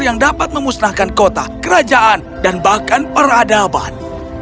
yang dapat memusnahkan kota kerajaan dan bahkan peradaban